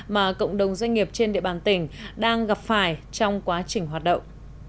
mà cộng đồng doanh nghiệp trên địa bàn tỉnh đang gặp phải trong quá trình hoạt động